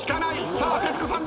さあ徹子さん